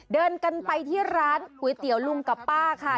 เดินกันไปที่ร้านก๋วยเตี๋ยวลุงกับป้าค่ะ